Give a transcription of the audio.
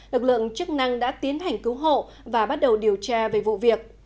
lực lượng chức năng đã tiến hành cứu hộ và bắt đầu điều tra về vụ việc